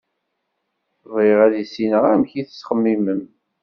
Bɣiɣ ad issineɣ amek i tettxemmim.